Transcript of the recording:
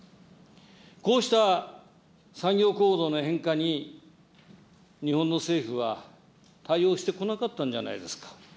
こうした産業構造の変化に日本の政府は対応してこなかったんじゃないですか。